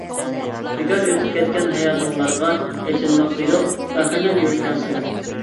بىكار ئۆتۈپ كەتكەن ھاياتىڭلارغا ئېچىنماقتا يوق، پەخىرلىنىپ يۈرىدىكەنسىلەر.